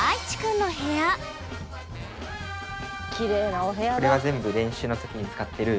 きれいなお部屋だ。